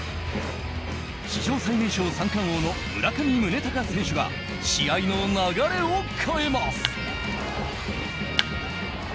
史上最年少三冠王の村上宗隆選手が試合の流れを変えます。